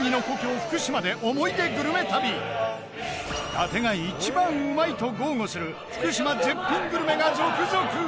伊達が一番うまいと豪語する福島絶品グルメが続々！